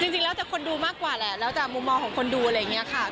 จริงแล้วแต่คนดูมากกว่าแหละแล้วแต่มุมมองของคนดูอะไรอย่างนี้ค่ะ